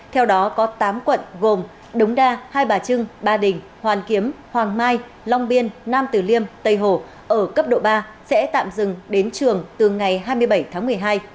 theo đó có tám quận gồm đống đa hai bà trưng ba đình hoàn kiếm hoàng mai long biên nam tử liêm tây hồ ở cấp độ ba sẽ tạm dừng đến trường từ ngày hai mươi bảy tháng một mươi hai